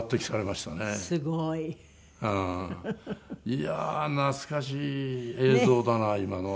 いやあ懐かしい映像だな今のは。